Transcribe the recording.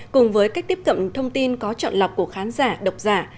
cùng với cách tiếp cận thông tin có chọn lọc của khán giả độc giả